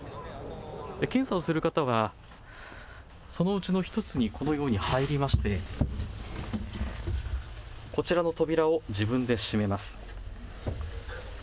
検査をする方はそのうちの１つにこのように入りましてこちらの扉を自分で閉めます。